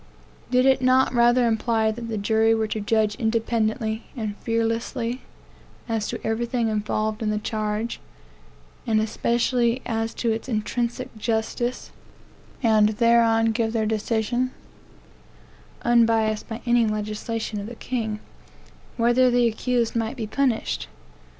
Did it not rather imply that the jury were to judge independently and fearlessly as to everything involved in the charge, and especially as to its intrinsic justice, and thereon give their decision, (unbiased by any legislation of the king,) whether the accused might be punished?